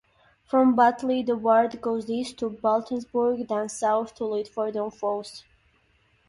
From "Butleigh" the ward goes east to Baltonsborough then south to Lydford-on-Fosse.